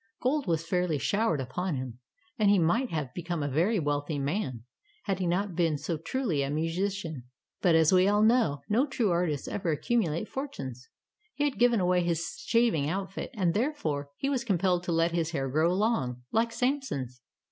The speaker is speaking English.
Gold was fairly showered upon him, and he might have become a very wealthy man, had he not been so truly a musician. But as we all know, no true artists ever accumu late fortunes. He had given away his shaving outfit, and therefore he was compelled to let his hair grow long, like Samson's.